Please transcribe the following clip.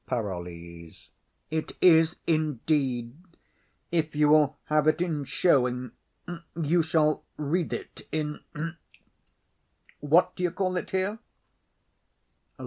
PAROLLES. It is indeed; if you will have it in showing, you shall read it in what do you call there?